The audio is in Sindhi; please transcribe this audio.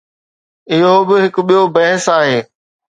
اهو به هڪ ٻيو بحث آهي.